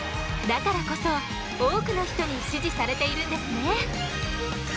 だからこそ多くの人に支持されているんですね。